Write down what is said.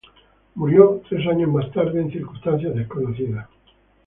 Murió tres años más tarde en circunstancias desconocidas.